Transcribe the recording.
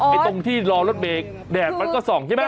ตรงที่รอรถเมฆแดดมันก็ส่องใช่ไหม